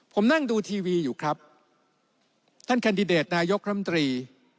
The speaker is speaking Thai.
ผมนั่งดูทีวีอยู่ครับท่านแคนดิเดตนายกรมตรี